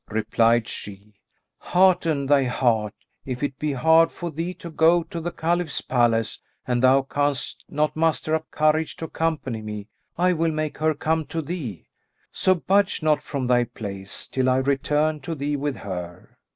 Replied she, "Hearten thy heart, if it be hard for thee to go to the Caliph's palace and thou canst not muster up courage to accompany me, I will make her come to thee; so budge not from thy place till I return to thee with her."